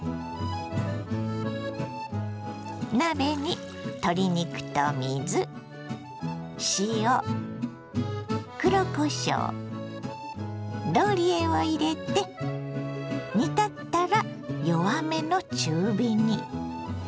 鍋に鶏肉と水塩黒こしょうローリエを入れて煮立ったら弱めの中火に。